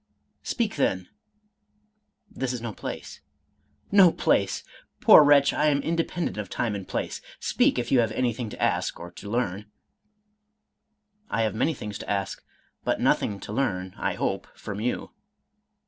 "Speak, then." —" This is no place." " No place I poor wretch, I am inde pendent of time and place. Speak, if you have anything to ask or to learn." —" I have many things to ask, but nothing to learn, I hope, from you."